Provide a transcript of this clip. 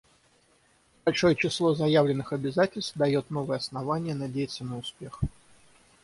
Большое число заявленных обязательств дает новые основания надеяться на успех.